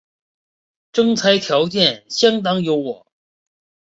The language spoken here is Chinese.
征才条件相当优渥